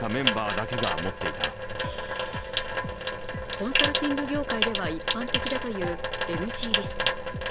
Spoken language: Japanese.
コンサルティング業界では一般的だというＮＧリスト。